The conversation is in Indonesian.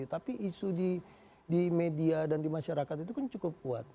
tapi isu di media dan di masyarakat itu kan cukup kuat